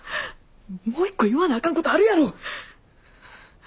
もう一個言わなあかんことあるやろ！